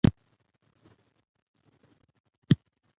دولت له درې ګونو قواو څخه جوړ دی